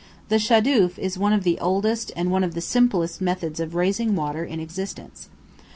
The "shadūf" is one of the oldest and one of the simplest methods of raising water in existence.